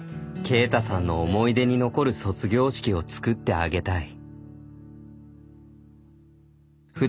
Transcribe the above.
けいたさんの思い出に残る卒業式を作ってあげたい。